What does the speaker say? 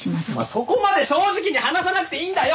そこまで正直に話さなくていいんだよ！